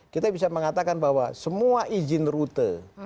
kita bisa mengatakan bahwa semua izin rute